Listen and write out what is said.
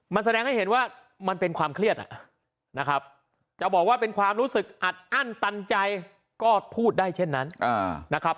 มันแสดงให้เห็นว่ามันเป็นความเครียดนะครับจะบอกว่าเป็นความรู้สึกอัดอั้นตันใจก็พูดได้เช่นนั้นนะครับ